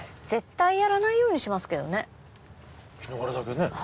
絶対やらないようにしますけどね。